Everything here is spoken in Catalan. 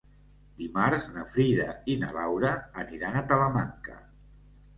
Dimarts na Frida i na Laura aniran a Talamanca.